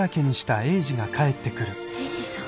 英治さん。